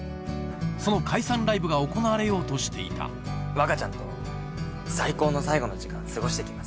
その解散ライブが行われようとしていた若ちゃんと最高の最後の時間過ごしてきますよ。